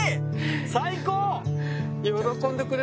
最高！